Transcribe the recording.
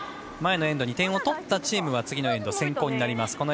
前のエンドに点を取ったチームは次のエンド、先攻になります。